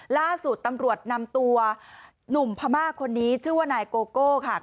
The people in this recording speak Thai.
ล่าสุดตำรวจนำตัวหนุ่มพม่าคนนี้ชื่อว่านายโกโก้ค่ะ